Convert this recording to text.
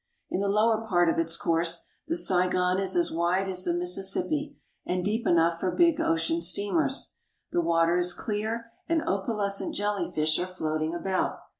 In the lower part of its course the Saigon is as wide as the Mississippi, and deep enough for big ocean steamers. The water is clear, and opalescent jellyfish are floating about.